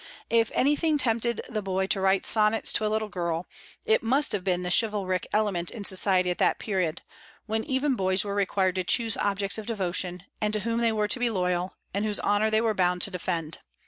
If anything tempted the boy to write sonnets to a little girl, it must have been the chivalric element in society at that period, when even boys were required to choose objects of devotion, and to whom they were to be loyal, and whose honor they were bound to defend.